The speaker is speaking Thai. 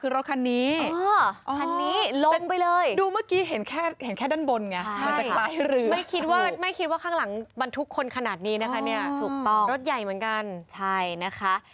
รถใหญ่เหมือนกันใช่นะคะ